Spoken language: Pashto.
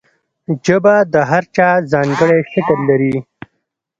ژبه د هر چا ځانګړی شکل لري.